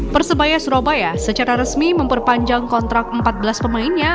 persebaya surabaya secara resmi memperpanjang kontrak empat belas pemainnya